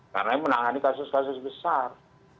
karena menangani kasus kasus besar